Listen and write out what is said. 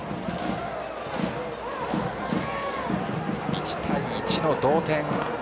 １対１の同点。